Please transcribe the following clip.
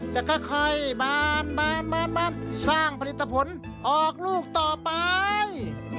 จะค่อยบานสร้างผลิตผลออกลูกต่อไป